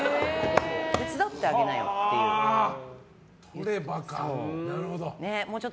手伝ってあげなよって言っちゃう。